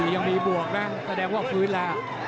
ยังมีบวกนะแสดงว่าฟื้นแล้ว